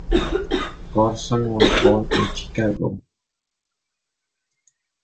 Corson was born in Chicago.